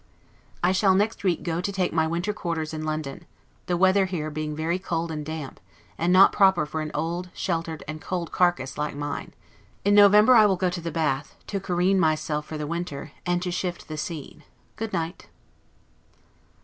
I shall next week go to take my winter quarters in London, the weather here being very cold and damp, and not proper for an old, shattered, and cold carcass, like mine. In November I will go to the Bath, to careen myself for the winter, and to shift the scene. Good night.